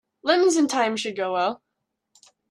Lemons and thyme should go well.